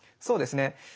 そうですね。